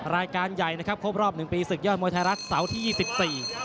รายการใหญ่นะครับครบรอบ๑ปีศึกยอดมวยไทยรัฐเสาที่๒๔